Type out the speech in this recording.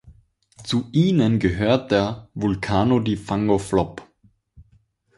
Zu ihnen gehört der Vulcano di Fango Flop.